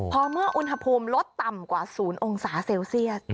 พอเมื่ออุณหภูมิลดต่ำกว่า๐องศาเซลเซียส